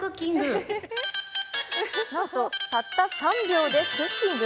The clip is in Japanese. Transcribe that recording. なんとたった３秒でクッキング？